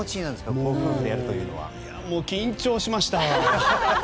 もう、緊張しました。